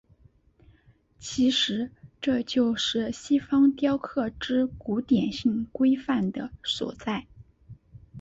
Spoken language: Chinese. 其实这就是西方雕刻之古典性规范的所在。